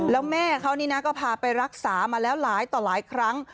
แล้วแม่เขานี่นะก็พาไปรักษามาแล้วหลายต่อหลายครั้ง